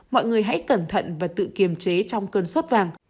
mọi người hãy cẩn thận và tự kiềm chế trong cân suất vàng